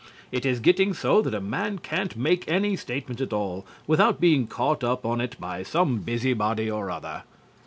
It is getting so that a man can't make any statement at all without being caught up on it by some busybody or other.)